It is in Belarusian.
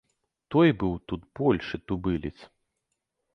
Той быў тут большы тубылец.